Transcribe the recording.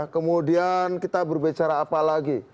kemudian kita berbicara apa lagi